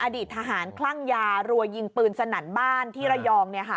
อดีตทหารคลั่งยารัวยิงปืนสนั่นบ้านที่ระยอง